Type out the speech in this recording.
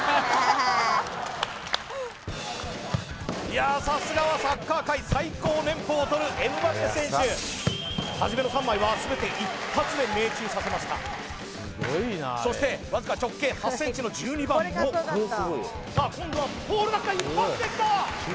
いやさすがはサッカー界最高年俸をとるエムバペ選手初めの３枚は全て一発で命中させましたそしてわずか直径８ｃｍの１２番もさあ今度はポールがきた一発できた！